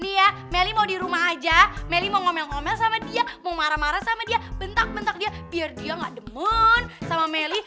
nih ya meli mau di rumah aja meli mau ngomel ngomel sama dia mau marah marah sama dia bentak bentak dia biar dia gak demen sama meli